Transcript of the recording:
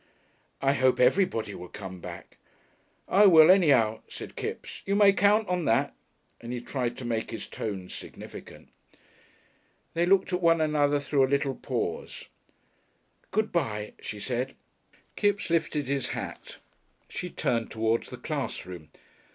"I hope everybody will come back." "I will anyhow," said Kipps. "You may count on that," and he tried to make his tones significant. They looked at one another through a little pause. "Good bye," she said. Kipps lifted his hat. She turned towards the class room.